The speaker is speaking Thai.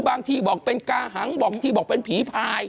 บางทีบอกเป็นกาหังบอกที่บอกเป็นผีพาย